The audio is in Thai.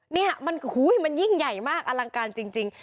นี่มันยิ่งใหญ่มากอลังการจริง